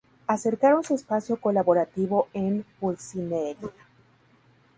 Acercaron su espacio colaborativo en Pulcinella.